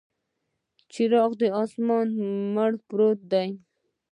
څراغ د اسمان، مړ پروت دی